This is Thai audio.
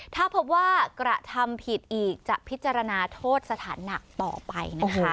ถ้าพบว่ากระทำผิดอีกจะพิจารณาโทษสถานหนักต่อไปนะคะ